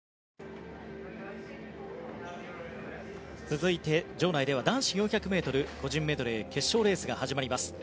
続いて、場内では男子４００ｍ個人メドレー決勝レースが始まります。